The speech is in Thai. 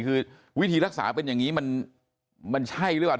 คือวิธีรักษาเป็นอย่างนี้มันใช่หรือเปล่า